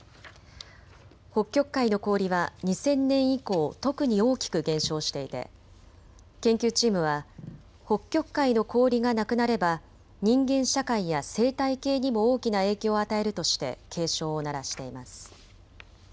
北極海の氷は２０００年以降、特に大きく減少していて研究チームは北極海の氷がなくなれば人間社会や生態系にも大きな影響を与えるとして警鐘を鳴らしています。